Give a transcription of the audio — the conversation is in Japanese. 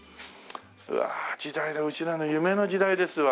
うわあ時代だうちらの夢の時代ですわ。